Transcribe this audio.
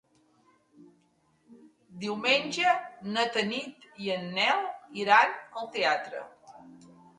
Diumenge na Tanit i en Nel iran al teatre.